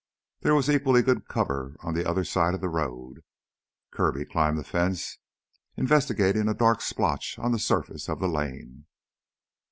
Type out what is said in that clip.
There was equally good cover on the other side of the road. Kirby climbed the fence, investigating a dark splotch on the surface of the lane.